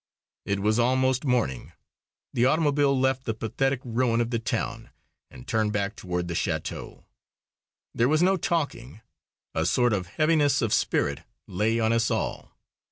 It was almost morning. The automobile left the pathetic ruin of the town and turned back toward the "château." There was no talking; a sort of heaviness of spirit lay on us all.